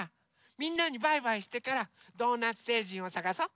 みんなにバイバイしてからドーナツせいじんをさがそう。